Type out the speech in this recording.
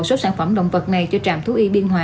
số sản phẩm động vật này cho trạm thú y biên hòa